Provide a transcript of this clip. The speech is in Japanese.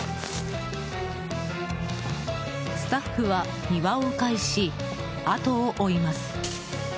スタッフは庭を迂回し後を追います。